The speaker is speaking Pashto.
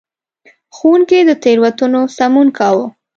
ښوونکي به د تېروتنو سمون کاوه.